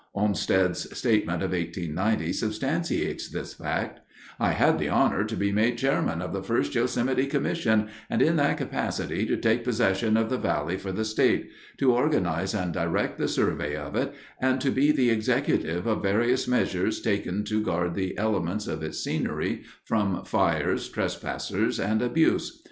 Olmsted's statement of 1890 substantiates this fact: "I had the honor to be made chairman of the first Yosemite Commission, and in that capacity to take possession of the Valley for the State, to organize and direct the survey of it and to be the executive of various measures taken to guard the elements of its scenery from fires, trespassers and abuse.